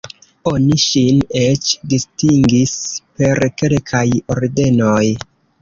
Oni ŝin eĉ distingis per kelkaj ordenoj.